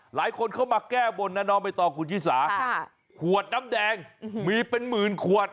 หลายคนเข้ามาแก้บนนะน้องใบตองคุณชิสาขวดน้ำแดงมีเป็นหมื่นขวด